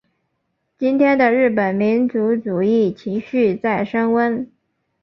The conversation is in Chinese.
今天的日本民族主义情绪在升温。